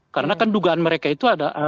karena kan dugaan mereka itu ada